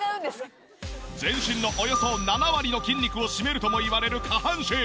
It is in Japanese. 全身のおよそ７割の筋肉を占めるともいわれる下半身。